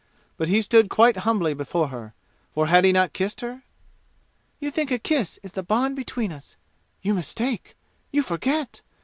But he stood quite humbly before her, for had he not kissed her? "You think a kiss is the bond between us? You mistake! You forget!